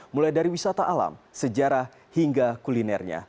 mulai dari wisata alam sejarah hingga kulinernya